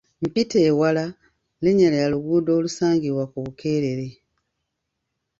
Mpiteewala linnya lya luguudo olusangibwa ku Bukeerere .